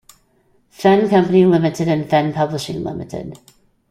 Fenn Company Limited and Fenn Publishing Limited.